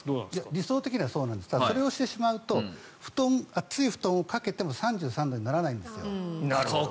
理想的にはそうなんですがそれをしてしまうと厚い布団をかけても３３度にならないんですよ。